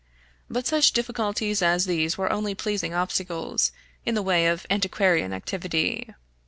But such difficulties as these were only pleasing obstacles in the way of antiquarian activity.